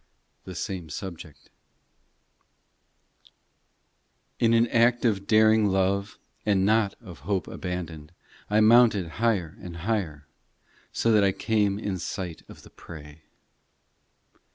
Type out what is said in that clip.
POEMS 269 THE SAME SUBJECT IN an act of daring love, And not of hope abandoned, I mounted higher and higher, So that I came in sight of the prey.